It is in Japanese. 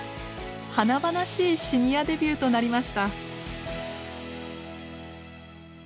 華々しいシニアデビューとなりました。